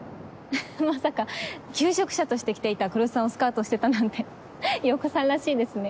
ははっまさか求職者として来ていた来栖さんをスカウトしてたなんて洋子さんらしいですね。